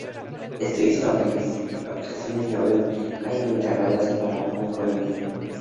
Éste hizo ampliaciones y abrió la calle frente al palacio para una mejor visión.